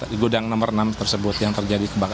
di gudang nomor enam tersebut yang terjadi kebakaran